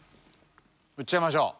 打っちゃいましょう。